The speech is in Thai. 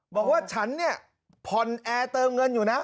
บอกว่าฉันเนี่ยผ่อนแอร์เติมเงินอยู่นะ